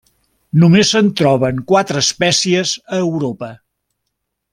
Només se'n troben quatre espècies a Europa.